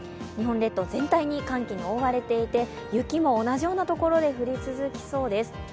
日本列島全体が寒気に覆われていて、雪も同じようなところで降り続きそうです。